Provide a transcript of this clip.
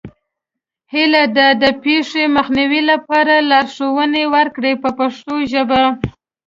هیله ده د پېښې مخنیوي لپاره لارښوونه وکړئ په پښتو ژبه.